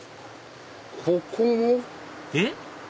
ここも？えっ？